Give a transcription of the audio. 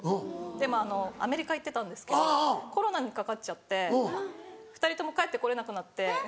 でもアメリカ行ってたんですけどコロナにかかっちゃって２人とも帰ってこれなくなって。